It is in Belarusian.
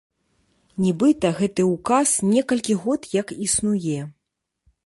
Нібыта гэты ўказ некалькі год як існуе.